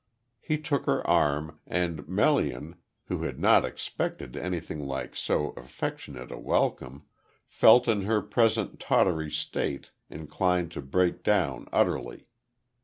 He took her arm, and Melian, who had not expected anything like so affectionate a welcome, felt in her present tottery state inclined to break down utterly.